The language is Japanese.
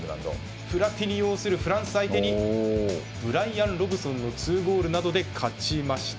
ブラティニ擁するフランスを相手にブライアン・ロブソンの２ゴールなどで勝ちました。